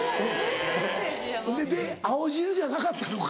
えぇ。で青汁じゃなかったのか？